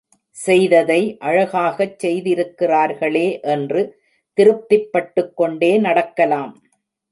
செய்ததை அழகாகச் செய்திருக்கிறார்களே என்று திருப்திப் பட்டுக் கொண்டே நடக்கலாம்.